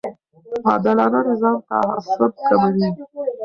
عادلانه نظام تعصب کموي